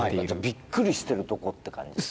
じゃあびっくりしてるとこって感じ。